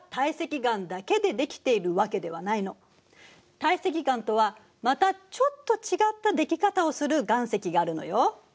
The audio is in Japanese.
堆積岩とはまたちょっと違ったでき方をする岩石があるのよ。